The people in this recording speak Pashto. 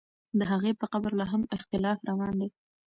د هغې په قبر لا هم اختلاف روان دی.